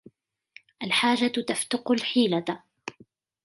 الحاجة تفتق الحيلة